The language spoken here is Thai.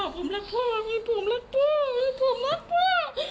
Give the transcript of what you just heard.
พ่อผมไม่ฆ่าตัวตาย